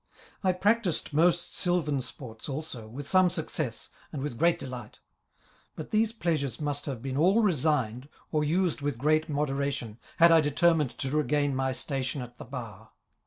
I practised most silvan sports also, with some success, and with great delight But these pleasures must have been all resigned, or used with great moderation, had I determined to re gain my station at the bar.